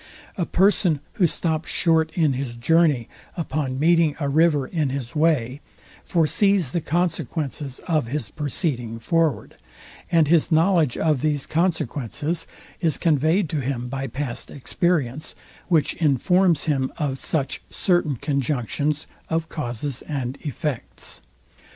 A person, who stops short in his journey upon meeting a river in his way, foresees the consequences of his proceeding forward; and his knowledge of these consequences is conveyed to him by past experience, which informs him of such certain conjunctions of causes and effects.